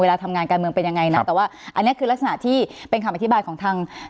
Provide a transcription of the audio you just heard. เวลาทำงานการเมืองเป็นยังไงนะแต่ว่าอันนี้คือลักษณะที่เป็นคำอธิบายของทาง